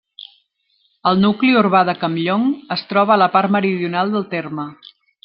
El nucli urbà de Campllong es troba a la part meridional del terme.